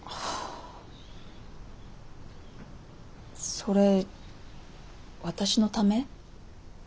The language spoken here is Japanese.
それ私のため？